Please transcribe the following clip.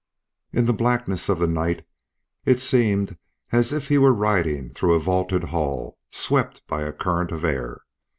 In the blackness of the night it seemed as if he were riding through a vaulted hall swept by a current of air.